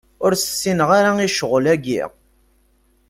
Ur s-ssineɣ ara i ccɣel-aki.